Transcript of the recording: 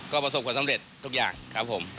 ก็ประสบความสำเร็จทุกอย่างครับผม